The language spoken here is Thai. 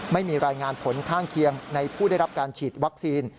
ไม่มีรายงานผลข้างเคียงในผู้ได้รับการฉีดวัคซีน